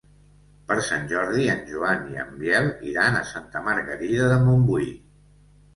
Per Sant Jordi en Joan i en Biel iran a Santa Margarida de Montbui.